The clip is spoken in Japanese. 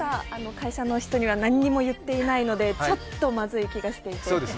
会社の人には何も言っていないので、ちょっとまずい気がして。